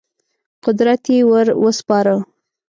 قدرت یې ور وسپاره.